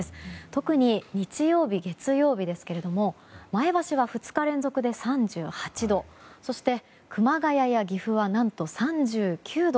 特に日曜日、月曜日ですが前橋は２日連続で３８度そして、熊谷や岐阜は何と３９度。